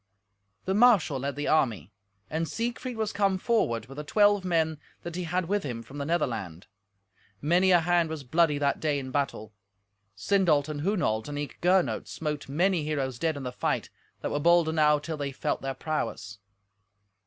The marshal led the army, and Siegfried was come forward with the twelve men that he had with him from the Netherland. Many a hand was bloody that day in the battle. Sindolt and Hunolt and eke Gernot smote many heroes dead in the fight, that were bold enow till they felt their prowess.